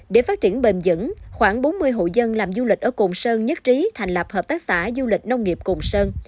để phát triển bềm dẫn khoảng bốn mươi hộ dân làm du lịch ở cùng sơn nhất trí thành lập hợp tác xã du lịch nông nghiệp cùng sơn